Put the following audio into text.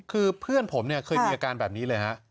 คือเพื่อนผมเนี่ยเคยมีอาการแบบนี้เลยฮะ